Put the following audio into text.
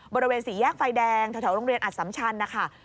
บริเวณสี่แยกไฟแดงแถวโรงเรียนอัดสำชันนะคะ